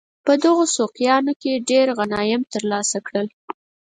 په دغو سوقیانو کې ډېر غنایم ترلاسه کړل.